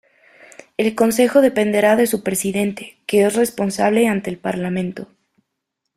El Consejo dependerá de su Presidente, que es responsable ante el Parlamento.